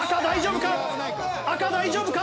赤大丈夫か？